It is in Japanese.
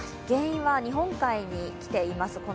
原因は日本海に来ています